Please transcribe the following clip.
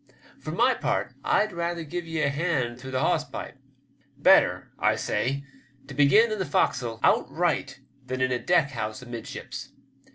For my part, I'd rather give ye a hand through the hawse pipe. Better, I say, to begin in the fok'stle outright than in a deck house amidships.